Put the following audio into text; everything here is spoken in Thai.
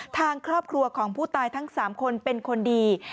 ทางครอบครัวของผู้ตายทั้ง๓คนเป็นคนดี